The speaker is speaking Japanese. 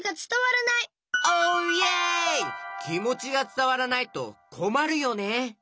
きもちがつたわらないとこまるよね。